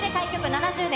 ７０年